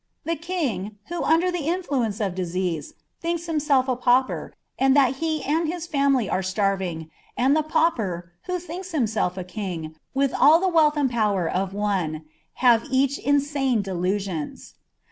The king, who, under the influence of disease, thinks himself a pauper and that he and his family are starving, and the pauper, who thinks himself a king, with all the wealth and power of one, have each insane delusions.